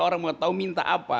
orang mau tahu minta apa